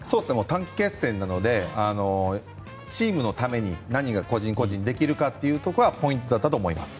短期決戦なのでチームのために何が個人個人できるかがポイントだったと思います。